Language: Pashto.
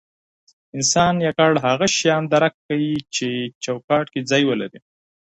انسان یوازې هغه شیان درک کوي چې چوکاټ کې ځای ولري.